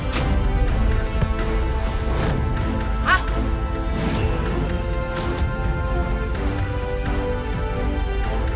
kamu gak peduli gak apa apa terus